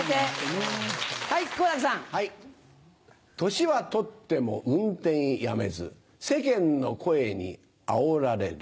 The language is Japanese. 年はとっても運転やめず世間の声にあおられる。